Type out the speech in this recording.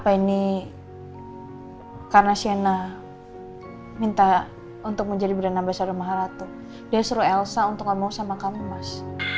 apa ini karena sienna minta untuk menjadi beranabai saru maharatu dia suruh elsa untuk ngomong sama kamu mas